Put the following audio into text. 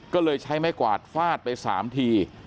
ก็เลยใช้ไม้กวาดฟาดไป๓ที